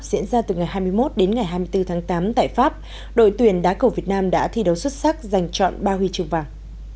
diễn ra từ ngày hai mươi một đến ngày hai mươi bốn tháng tám tại pháp đội tuyển đá cầu việt nam đã thi đấu xuất sắc giành chọn ba huy chương vàng